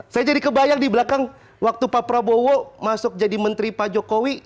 saya jadi kebayang di belakang waktu pak prabowo masuk jadi menteri pak jokowi